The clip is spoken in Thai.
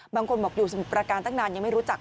บางคนบอกอยู่สมุทรประการตั้งนานยังไม่รู้จัก